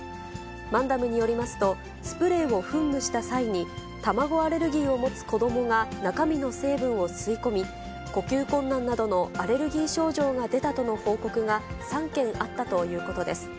マンダムによりますと、スプレーを噴霧した際に、卵アレルギーを持つ子どもが中身の成分を吸い込み、呼吸困難などのアレルギー症状が出たとの報告が３件あったということです。